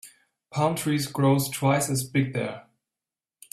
Palm trees grows twice as big there.